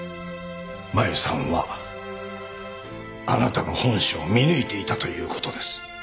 マユさんはあなたの本性を見抜いていたということです。